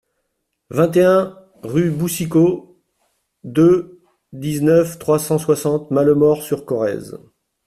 vingt et un rue Boussicot deux, dix-neuf, trois cent soixante, Malemort-sur-Corrèze